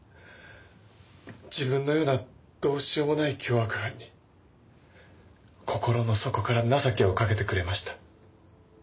自分のようなどうしようもない凶悪犯に心の底から情けをかけてくれました。